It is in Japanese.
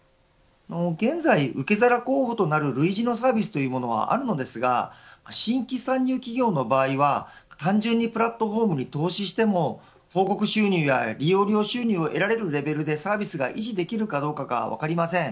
現在、受け皿候補となる類似のサービスというものはあるのですが新規参入企業の場合は単純にプラットフォームに投資しても広告収入や利用料収入を得られるレベルでサービスが維持できるかどうか分かりません。